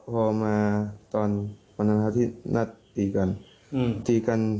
พอมาตอนวันทางเท้าที่นัดตีกัน